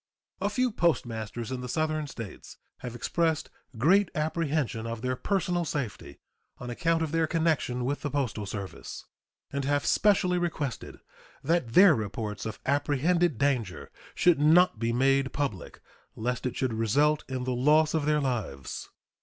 A few postmasters in the Southern States have expressed great apprehension of their personal safety on account of their connection with the postal service, and have specially requested that their reports of apprehended danger should not be made public lest it should result in the loss of their lives.